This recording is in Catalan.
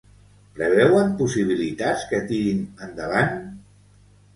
Preveuen possibilitats que tirin endavant?